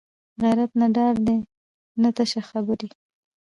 غیرت نه ډار دی نه تشه خبرې